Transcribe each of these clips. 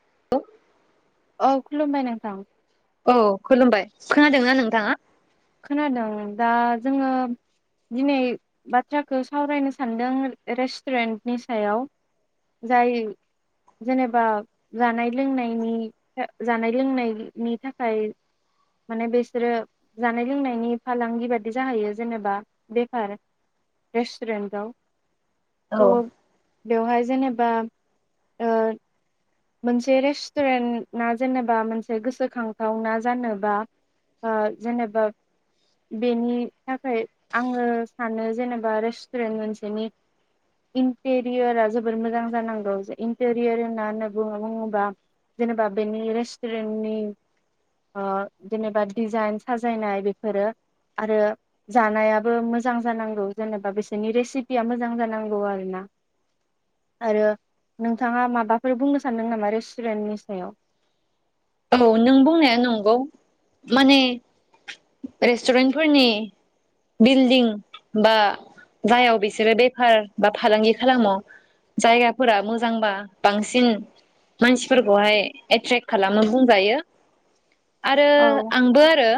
[unintelligible] औ खुलुमबाय नोंथां। औ खुलुमबाय खोनादोंना नोंथाङा? खोनादों। दा जोङो दिनै बाथ्राखौ सावरायनो सानदों रेस्टुरेन्टनि सायाव जाय जेनेबा जानाय लोंनायनि जानाय लोंनायनि थाखाय माने बेसोरो जानाय लोंनायनि फालांगि बादि जाहैयो जेनेबा बेफार रेस्टुरेन्टआव औ बेवहाय जेनेबा ओ मोनसे रेस्टुरेन्टा जेनेबा मोनसे गोसोखांथावना जानोबा अ जेनेबा बेनि थाखाय आङो सानो जेनेबा रेस्टुरेन्ट मोनसेनि इन्टेरियरा जोबोर मोजां जानांगौ इन्टेरियर होनना होनो बु बुङोबा जेनेबा बेनि रेस्टुरेन्टनि अ जेनेबा डिजाइन साजायनाय बेफोरो आरो जानायाबो मोजां जानांगौ। जेनेबा बिसोरनि रेसिपिया मोजां जानांगौ आरोना। आरो नोंथाङा माबाफोर बुंनो सा सानदों नामा रेस्टुरेन्टनि सायाव? औ नों बुंनाया नंगौ माने रेस्टुरेन्टफोरनि बिल्डिं बा जायाव बिसोरो बेफार बा फालांगि खालामो जायगाफोरा मोजांबा बांसिन मानसिफोरखौहाय एट्रेक्ट खालामो बुंजायो। आरो औ आंबो आरो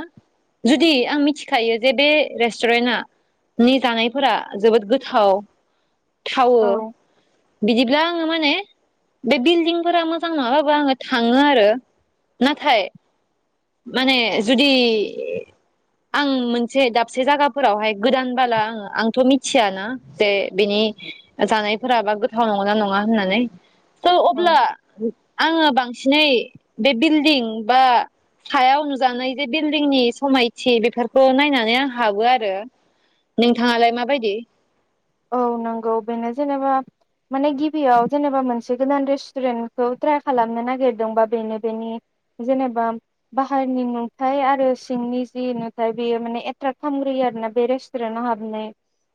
जुदि आं मिथिखायो जे बे रेस्टुरेन्टा नि जानायफोरा जोबोद गोथाव थावो औ बिदिब्ला आङो माने बे बिल्डिंफोरा मोजां नङाबाबो आङो थाङो आरो। नाथाय माने जुदि आं मोनसे दाबसे जागाफोरावहाय गोदान बला आङो आंथ' मिथियाना जे बिनि जानायफोराबा गोथाव नङना नङा होननानै थ' औ अब्ला आङो बांसिनै बे बिल्डिं बा सायाव नुजानाय जे बिल्डिंनि समायथि बेफोरखौ नायनानै आं हाबो आरो। नोंथाङालाय माबायदि? औ नंगौ बेनो जेनेबा माने गिबियाव जेनेबा मोनसे गोदान रेस्टुरेन्टखौ ट्राइ खालामनो नागिरदोंबा बेनो बेनि जेनेबा बाहेरनि नुथाय आरो सिंनि जि नुथाय बेयो माने एट्रेक्ट खालामग्रोयो आरो ना। बे रेस्टुरेन्टआव हाब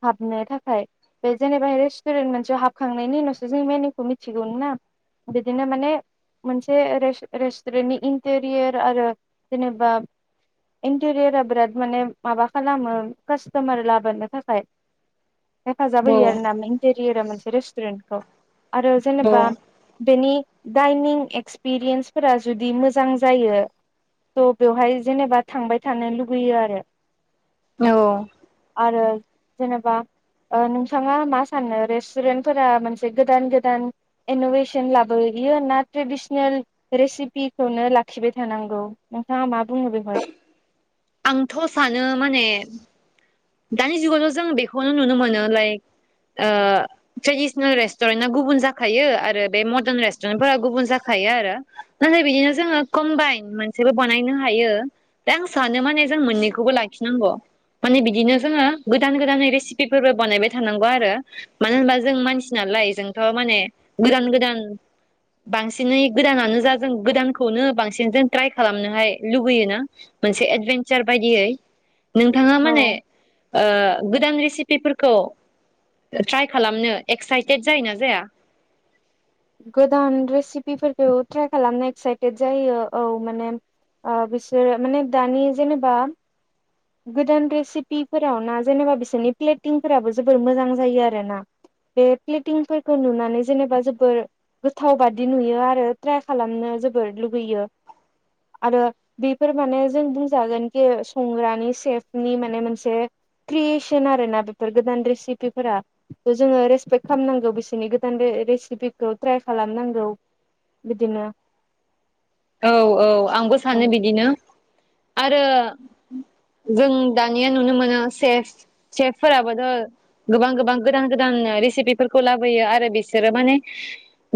हाबनो था खाया बे जेनेबा रेस्टुरेन्ट मोनसे हाबखांनायनि उनावसो जों मेनुखौ मिथिगौ ना। बिदिनो माने मोनसे रेस्ट रेस्टुरेन्टनि इन्टेरियर आरो जेनेबा इन्टेरियरा बिराद माने माबा खालामो कास्टमार लाबोनो थाखाय हेफाजाब औ होयो आरोना। मेनटेरियरा रेस्टुरेन्टखौ। आरो औ जेनेबा बेनि डाइनिं एक्सपिरियेन्सफोरा जुदि मोजां जायो थ' बेवहाय जेनेबा थांबाय थानो लुगैयो आरो। औ आरो जेनेबा अ नोंथाङा मा सानो रेस्टुरेन्टफोरा मोनसे गोदान गोदान इन'भेसन लाबोयो ना ट्रेडिसनेल रेसिपिखौनो लाखिबाय थानांगौ नोंथाङा मा बुङो बेवहाय? आंथ' सानो माने दानि जुगावथ' जों बेखौनो नुनो मोनो लाइक ओ ट्रेडिसनेल रेस्टुरेन्टआ गुबुन जाखायो आरो बे मडार्न रेस्टुरेन्ट फोर गुबुन जाखायो आरो नाथाय बिदिनो जोङो कम्बाइन मोनसेबो बानायनो हायो। दा आं सानो माने जों मोननैखौबो लाखिनांगौ। माने बि बिदिनो जोङो गोदान गोदानै रेसिपिफोरबो बानायबाय थानांगौ आरो मानो होनबा जों मानसि नालाय जोंथ' माने गोदान गोदान बांसिनै गोदानानो जा जों गोदानखौनो बांसिन जों ट्राय खालामनोहाय लुगैयोना मोनसे एदभेनसार बायदियै नोंथाङा औ माने अ गोदान रेसिपिफोरखौ ट्राइ खालामनो एक्साइटेड जायोना जाया? गोदान रेसिपिफोरखौ ट्राइ खालामनो एक्साइटेड जायो औ माने अ बिसोरो माने दानि जेनेबा गोदान रेसिपिफोराव ना जेनेबा बिसोरनि प्लेटिंफोराबो जोबोर मोजां जायो आरो ना बे प्लेटिंफोरखौ नुनानै जेनेबा जोबोर गोथावबादि नुयो आरो ट्राय खालामनो जोबोर लुुबैयो आरो बेफोर माने जों बुंजागोनखि संग्रानि सेफनि माने मोनसे क्रिएसन आरो ना बेफोर गोदान रेसिपिफोरा जोङो रेसपेक्ट खालामनांगौ बिसोरनि गोदान रेसिपिखौ ट्राइ खालामनांगौ बिदिनो औ औ आंबो औ सानो बिदिनो आरो जों दानिया नुनो मोनो सेफ सेफफोराबोथ' गोबां गोबां गोदान गोदान रेसिपिफोरखौ लाबोयो आरो बिसोरो माने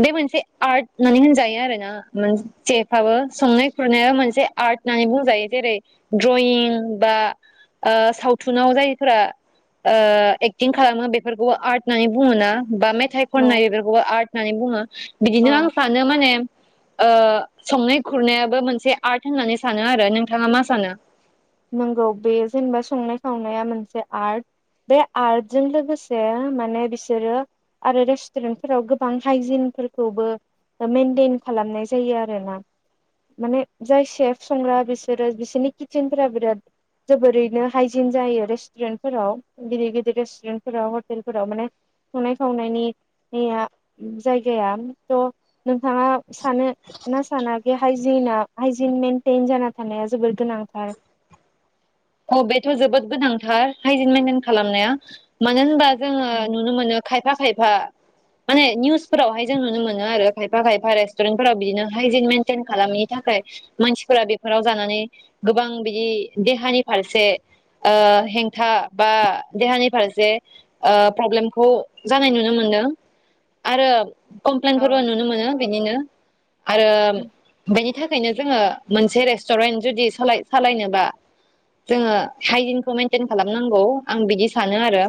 बे मोनसे आर्ट होननानै होनजायो आरो ना सेफ आबो संनाय खुरनाया मोनसे आर्ट होननानैबुंजायो जेरै दड्रयिं बा आ सावथुनाव जायफोरा आ एक्टिं खालामो बेफोरखौबो आर्ट होननानै बुङो ना बा मेथाइ औ खननाय बेफोरखौबो आर्ट होननानै बुङो बिदिनो औ आं सानो माने अ संनाय खुरनायाबो मोनसे आर्ट होननानै सानो आरो नोंथाङा मा सानो? नंगौ बे जेनेबा संनाय खावनाया मोनसे आर्ट बे आर्टजों लोगोसे माने बिसोरो आरो रेस्टुरेन्टफोराव गोबां हाइजिनफोरखौबो मेइेनटेन खालामनाय जायो आरो ना माने जाय सेफ संग्रा बिसोरो बिसोरनि किसेन फोरा बिराद जोबोरैनो हाइजिन जायो रेस्टुरेन्टफोराव गिदिर गिदिर रेस्टुरेन्टफोराव हटेलफोराव माने संनाय खावनायनि निया जायगाया थ' नोंथाङा सानो ना साना जे हाइजिना हाइजिन मेेनटइेन जाना थानाया जोबोर गोनांथार? अ बेथ' जोबोद गोनांथार हाइजन मेनटेन खालामनाया मानो होनबा जोङो नुनो मोनो खायफा खायफा माने निउसफोरावहाय जों नुनो मोनो आरो खायफा खायफा रेस्टुरेन्ट फोराव बिदिनो हाइजिन मेनटेइन खालामिनि थाखाय मानसिफोरा बेफोराव जानानै गोबां बिदि देहानि फारसे ओ हेंथा बा देहानि फारसे ओ प्रब्लेमखौ जानाय नुनो मोनदो आरो कमप्लेनट औ फोरबो नुनो मोनो बिनिनो आरो बेनि औ बेनि थाखायनो जोङो मोनसे रेस्टुरेन्ट जुदि सालाय सालायनोबा जोङो हाइजिनखौ मइेनटेन खालामनांगौ आं बिदि सानो आरो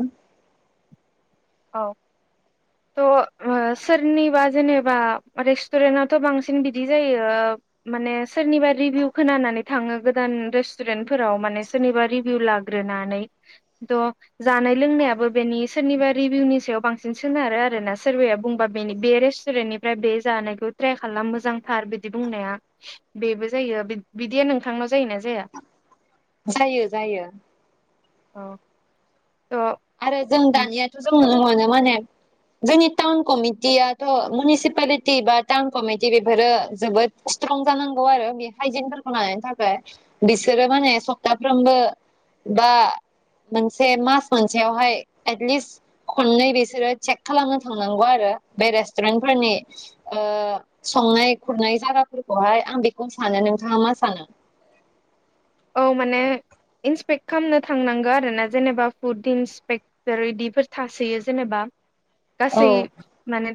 औ थ ओ सोरनिबा जेनेबा रेस्टुरेन्टआथ बांसिन बिदि जायो माने सोरनिबा रिभिउ खोनानानै थाङो गोदान रेस्टुरेन्टफोराव माने सोरनिबा रिभिउ लाग्रोनानै थ जानाय लोंनायाबो बेनि सोरनिबा रिभिउनि सायाव बांसिन सोनारो आरोना सोरबाया बुंबा बेनि बे रेस्टुरेन्टनिफ्राय बे जानायखौ ट्राइ खालाम मोजांथार बिदि बुंनाया बेबो जायो बिदिया नोंथांनाव जायोना जाया? जायो जायो। औ। आरो जों थ' दानियाथ' जोङो मोनो माने जोंनि टाउन कमिटियाथ' मिउनिसिपालिटि बा टाउन कमिटि बेफोरो जोबोद स्ट्रं जानांगौ आरो बे हाइजिनफोरखौ लानायनि थाखाय बिसोरो माने सप्ताफ्रोमबो बा मोनसे मास मोनसेयावहाय एटलिस्ट खननै बिसोरो चेक खालामनो थांनांगौ आरो बे रेस्टुरेन्टफोरनि ओ संनाय खुरनाय जायागाफोरखौहाय आं बेखौ सानो नोंथाङा मा सानो? औ माने इन्सपेक्ट खालामनो थांनांगौ आरोना जेनेबा फुड इन्सपेक्टर इदिफोर थासोयो जेनेबा औ गासै माने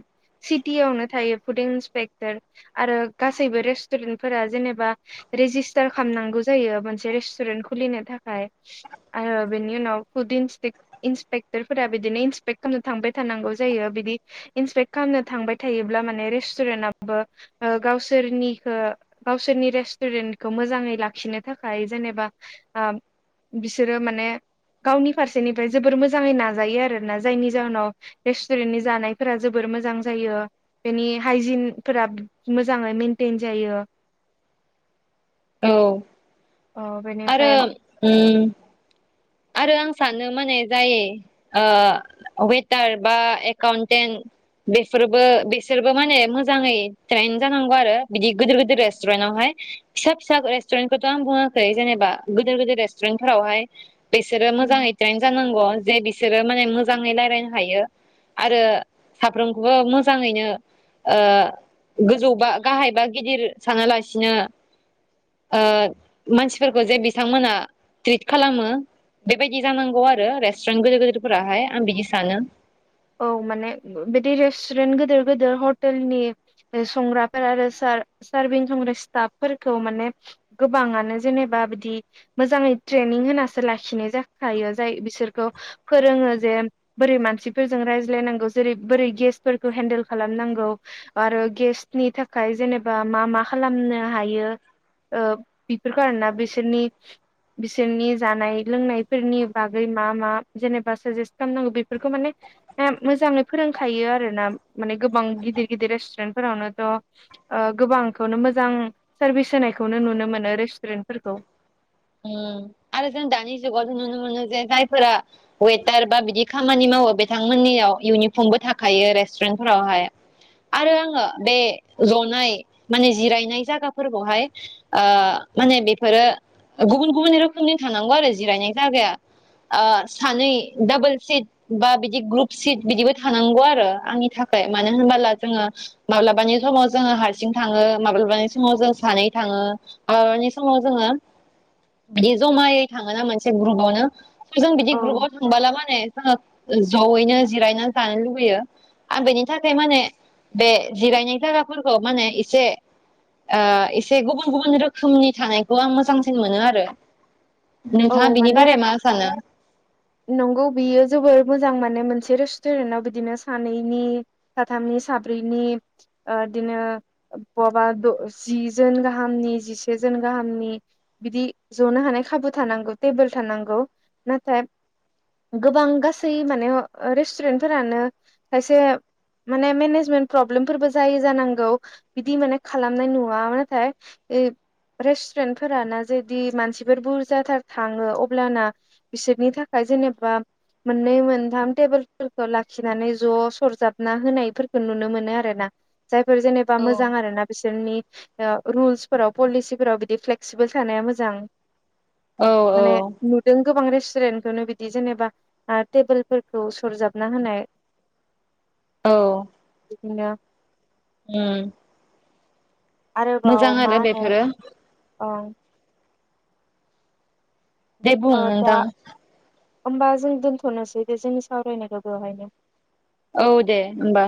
सिटियावनो थायो फुड इन्सपेक्टर आरो गासैबो रेस्टुरेन्टफोरा जेनेबा रेजिस्टार खालामनांगौ जायो मोनसे रेस्टुरेन्ट खुलिनो थाखाय आरो बेनि उनाव फुड इन्सपेक इन्सपेक्टर फोरा बिदिनो इन्सपेक्ट खालामनो थांबाय थानांगौ जायो बिदि इन्सपेक्ट खालामनो थांबाय थायोब्ला माने रेस्टुरेन्टाबो ओ गावसोरनिखो गावसोरनि रेस्टुरेन्टखौ मोजाङै लाखिनो थाखाय जेनेबा आ बिसोरो माने गावनि फारसेनिफ्राय जोबोर मोजाङै नाजायो आरोना जायनि जाहोनाव रेस्टुरेन्टनि जानायफोरा जोबोर मोजां जायो बेनि हाइजिनफोरा मोजाङै मेइेनटेन जायो औ अ आरो बेनिफ्राय उ आरो आं सानो माने जाय ओ वेटार बा एकाउन्टेन्ट बेसोरबो बिसोरबो माने मोजाङै ट्रेेन जानांगौ आरो बिदि गिदिर गोदिर रेस्टुरेन्टावहाय फिसा फिसा रेस्टुरेन्टखौथ आं बुङाखै जेनेबा गोदिर गोदिर रेस्टुरेन्टफोरावहाय बिसोरो मोजाङै ट्रैन जानांगौ जे बिस बिसोरो माने मोजाङै रायजलायनो हायो आरो साफ्रोमखौबो मोजाङैनो ओ गोजौ बा गाहाय बा गिदिर सानालासिनो ओ मानसिफोरखौ जे बिथांमोना ट्रिट खालामो बेबायदि जानांगौ आरो रेस्टुरेन्ट गिदिर गिदिरफोराहाय आं बिदि सानो। औ माने बिदि रेस्टुरेन्ट गोदिर गोदिर हटेलनि संग्राफोर आरो सार सारभिं संग्रा स्टाफफोरखौ माने गोबाङानो जेनेबा बिदि मोजाङै ट्रेनिं होनासो लाखिनाय जाखायो जाय बिसोरखौ फोरोङो जे बोरै मानसि फोरजों रायज्लायनांगौ जेरै बोरै गेसफोरखौ हेन्देल खालामनांगौ आरो गेसनि थाखाय जेनेबा मा मा खालामनो हायो ओ बेफोरखौ आरोना बिसोरनि बिसोरनि जानाय लोंनायफोरनि बागै मा मा जेनेबा साजेस्ट खालामनांगौ बेफोरखौ माने ह मोजाङै फोरोंखायो आरो ना माने गोबां गिदिर गिदिर रेस्टुरेन्ट फोरावनोथ गोबांखौनो मोजां सारभिस होनायखौनो नुनो मोनो रेस्टुरेन्टफोरखौ उ आरो जों दानि जुगावसो नुनो मोनो जे जाय फोरा वेटार बा बिदि खामानि मावो बिथांमोननियाव इउनिफर्मबो थाखायो रेस्टुरेन्टफोरावहाय आरो आङो बे जनाय माने जिरायनाय जायगाफोरखौहाय माने बेफोरो गुबुन गुबुन रोखोमनि थानांगौ आरो जिरायनाय जागाया ओ सानै डाबोल सिट बा बिदि ग्रुप सिट बिदिबो थानांगौ आरो आंनि थाखाय मानो होनबोला जोङो माब्लाबानि समाव जोङो हारसिं थाङो माब्लाबानि समाव जों सानै थाङो आनि समाव जोङो बिदि जमायै थाङोना मोनसे ग्रुपआवनो जों बिदि औ ग्रुपाव थंबोला माान ने जोङो जयैनो जिरायना जानो लुबैयो आं बेनि थाखाय माने बे जिरायनाय जायगाफोरखौ माने एसे ओ एसे गुबुन गुबुन रोखोमनि थानायखौ आं मोजां मोनो आरो औ बिनि माने बारै मा सानो नंगौ बियो जोबोर मोजां माद माने मोनसे रेसतुरेनटनाव बिदिनो सानैनि साथामनि साब्रैनि ओ बिदिनो बवाबा द जिजोन गाहामनि जिसेजोन गाहामनि बिदि जनो हानाय खाबु थानांगौ तेबोल थानांगौ नाथाय गोबां गासै माने रेसतुरेनट फोरानो खायसे माने मेनेजमेन्ट प्रब्लेमफोरबो जायो जानांगौ बेदि माने खालामनाय नुवा नाथाय ए रेसतुरेनट फोरानो इदि मानसिफोर बुरजा जाथार थाङो अब्लाना बिसोरनि थाखाय जेनेबा मोननै मोनथाम टेबोलफोरखौ लाखिनानै ज सरजाबना होनायफोरखौ नुनो मोनो आरो ना जायफोर जेनेबा औ मोजां आरो ना बिसोरनि रुल्सफोराव पलिसिफोराव बिदि फ्लेक्सिबोल थानाया मोजां औ माने नुदोंखौ बांद्राय [unintelligible] बिदि जेनेबा टेबोलफोरखौ सरजाबना होनाय औ [unintelligible] उम आरोबाव मोजां मा आरो होनो बेफोरो ओ दे बुं ओ दा नोंथां होमबा जों दोन्थ'नोसै दे जोंनि सावरायनायखौ बेवहायनो औ दे होनबा